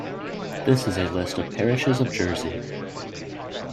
This is a list of parishes of Jersey.